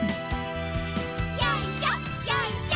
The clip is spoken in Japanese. よいしょよいしょ。